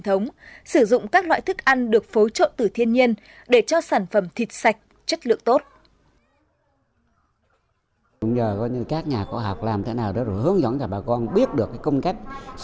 thống sử dụng các loại thức ăn được phối trộn từ thiên nhiên để cho sản phẩm thịt sạch chất lượng tốt